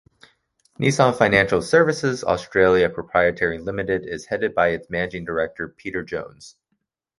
Nissan Financial Services Australia Pty Ltd is headed by its managing director Peter Jones.